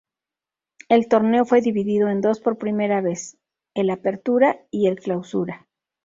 El torneo fue dividido en dos por primera vez, el Apertura y el Clausura.